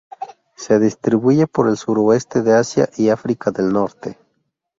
Se distribuye por el suroeste de Asia y África del Norte.